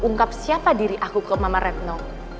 ungkap siapa diri aku ke mama retno